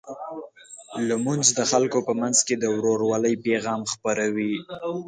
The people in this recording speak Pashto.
لمونځ د خلکو په منځ کې د ورورولۍ پیغام خپروي.